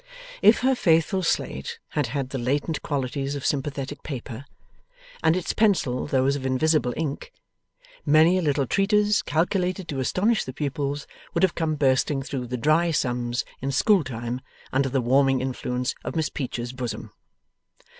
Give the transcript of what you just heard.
If her faithful slate had had the latent qualities of sympathetic paper, and its pencil those of invisible ink, many a little treatise calculated to astonish the pupils would have come bursting through the dry sums in school time under the warming influence of Miss Peecher's bosom.